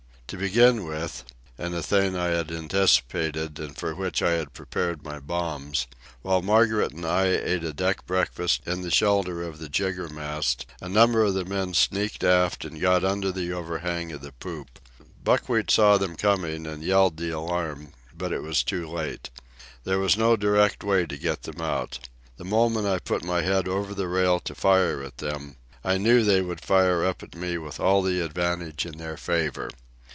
To begin with—and a thing I had anticipated and for which I had prepared my bombs—while Margaret and I ate a deck breakfast in the shelter of the jiggermast a number of the men sneaked aft and got under the overhang of the poop. Buckwheat saw them coming and yelled the alarm, but it was too late. There was no direct way to get them out. The moment I put my head over the rail to fire at them, I knew they would fire up at me with all the advantage in their favour.